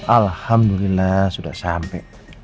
alhamdulillah sudah sampai